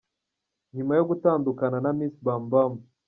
Nyuma yo gutandukana na Miss BumBum.